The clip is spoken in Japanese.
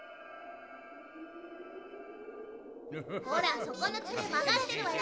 ほらそこのつくえまがってるわよ。